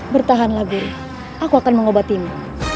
bertahanlah guru aku akan mengobatimu